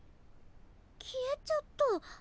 消えちゃった。